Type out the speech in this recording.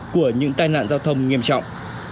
của những tai nạn giao thông nghiêm trọng